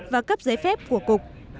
và cấp giấy phép của cục